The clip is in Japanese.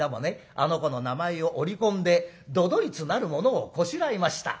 あの子の名前を織り込んで都々逸なるものをこしらえました。